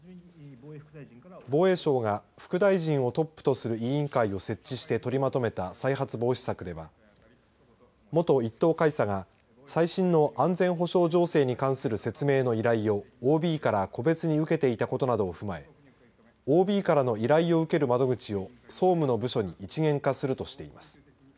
防衛省が副大臣をトップとする委員会を設置して取りまとめた再発防止策では元１等海佐が最新の安全保障情勢に関する説明の依頼をＯＢから個別に受けていたことなどを踏まえＯＢからの依頼を受ける窓口を総務の部署に一元化するとしています。